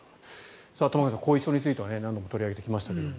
玉川さん後遺症については何度も取り上げてきましたが。